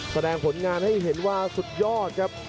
แสดงผลงานให้เห็นว่าสุดยอดครับ